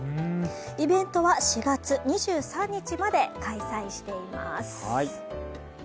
イベントは４月２３日まで開催しています。